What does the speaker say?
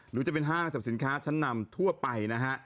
หรือจะเป็นห้างสรรพสินค้าชั้นนำทั่วไปนะฮะ